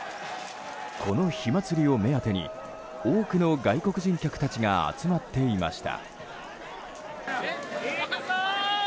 この火祭りを目当てに多くの外国人客たちが集まっていました。